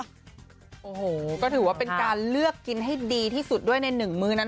โอ้โหก็ถือว่าเป็นการเลือกกินให้ดีที่สุดด้วยในหนึ่งมื้อนั้น